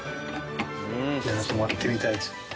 泊まってみたいです。